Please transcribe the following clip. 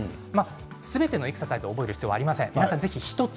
すべてのエクササイズをやる必要はありません。